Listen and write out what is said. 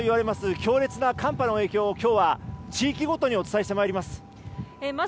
強烈な寒波の影響を今日は、地域ごとにお伝えしてまいります。